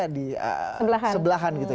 di sebelahan gitu ya